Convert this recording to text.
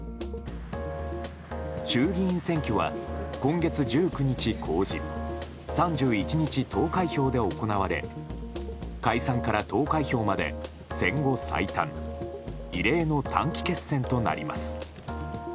衆議院選挙は今月１９日公示３１日投開票で行われ解散から投開票まで戦後最短異例の短期決戦となります。